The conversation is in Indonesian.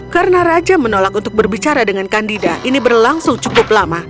karena raja menolak untuk berbicara dengan candida ini berlangsung cukup lama